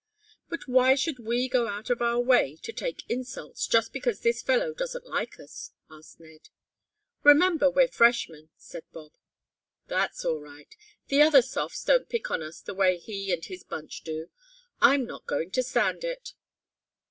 "But why should we go out of our way to take insults, just because this fellow doesn't like us?" asked Ned. "Remember we're freshmen," said Bob. "That's all right. The other sophs don't pick on us the way he and his bunch do. I'm not going to stand it!"